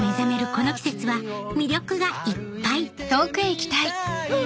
この季節は魅力がいっぱいうわ！